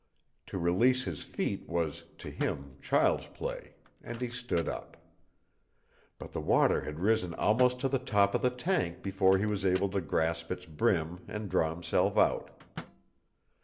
To release his feet was, to him, child's play, and he stood up. But the water had risen almost to the top of the tank before he was able to grasp its brim and draw himself out.